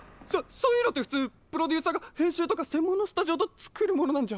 そういうのってふつうプロデューサーがへんしゅうとかせんもんのスタジオとつくるものなんじゃ。